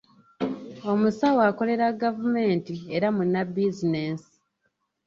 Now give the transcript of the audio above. Omusawo akolera gavumenti era munnabizinensi.